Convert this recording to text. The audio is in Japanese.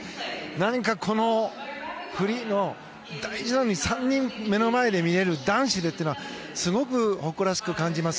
何かこのフリーの大事な３人目の前で見える男子でというのはすごく誇らしく感じます。